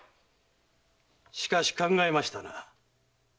しかし考えましたな。